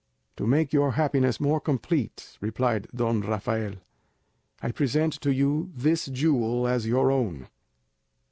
"To make your happiness more complete," replied Don Rafael, "I present to you this jewel as your own."